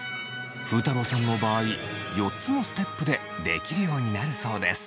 ふうたろうさんの場合４つのステップでできるようになるそうです。